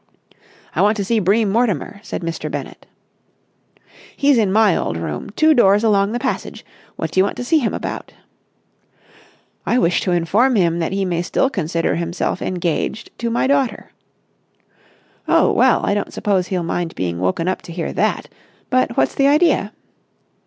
"I want to see Bream Mortimer," said Mr. Bennett. "He's in my old room, two doors along the passage. What do you want to see him about?" "I wish to inform him that he may still consider himself engaged to my daughter." "Oh, well, I don't suppose he'll mind being woken up to hear that. But what's the idea?"